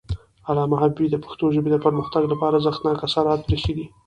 علامه حبيبي د پښتو ژبې د پرمختګ لپاره ارزښتناک آثار پریښي دي.